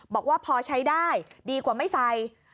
บอกว่าพอใช้ได้ดีกว่าไม่ใส่